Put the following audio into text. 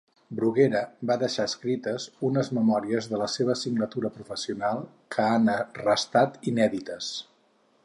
Bruguera va deixar escrites unes memòries de la seva singladura professional que han restat inèdites.